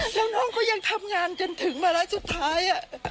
แล้วน้องก็ยังทำงานจนถึงวาระสุดท้าย